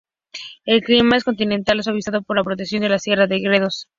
El clima es continental, suavizado por la protección de la sierra de Gredos.